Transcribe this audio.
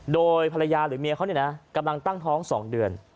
โดยภรรยาหรือเมียเขาเนี่ยนะกำลังตั้งท้อง๒เดือน